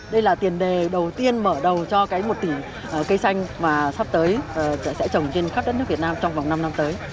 đây là tiền đề đầu tiên mở đầu cho một tỷ cây xanh mà sắp tới sẽ trồng trên khắp đất nước việt nam trong vòng năm năm tới